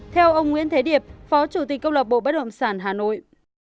theo ông nguyễn thế điệp phó chủ tịch công lập bộ bất động sản hà nội